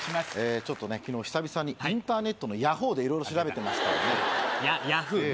ちょっとね昨日久々にインターネットのヤホーで色々調べてましてＹａｈｏｏ！ね